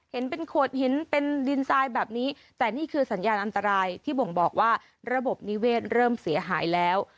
เห็นเป็นโขดหินเป็นดินทรายแบบนี้แต่นี่คือสัญญาณอันตรายที่บ่งบอกว่าระบบนิเวศเริ่มเสียหายแล้ว